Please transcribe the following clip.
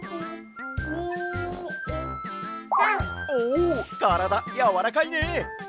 おからだやわらかいね！